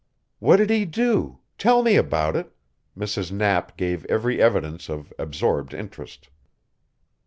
"What did he do? Tell me about it." Mrs. Knapp gave every evidence of absorbed interest.